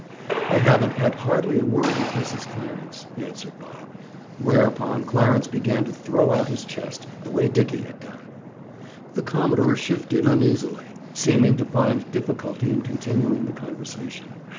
"I haven't had hardly a word with Mrs. Clarence," answered Bob, whereupon Clarence began to "throw out his chest," the way Dickie had done. The commodore shifted uneasily, seeming to find difficulty in continuing the conversation.